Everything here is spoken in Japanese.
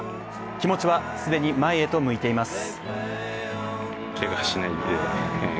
気持ちは、既に前へと向いています。